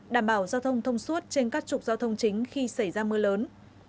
đảm bảo giao thông thông suốt trên các trục giao thông chính khi xảy ra mưa lớn